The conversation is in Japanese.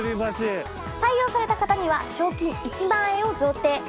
採用された方には賞金１万円を贈呈。